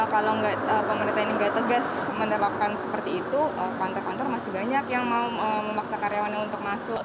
kalau pemerintah ini nggak tegas menerapkan seperti itu kantor kantor masih banyak yang mau memakna karyawannya untuk masuk